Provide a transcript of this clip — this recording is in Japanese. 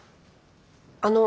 あの。